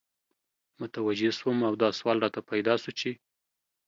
متوجه سوم او دا سوال راته پیدا سو چی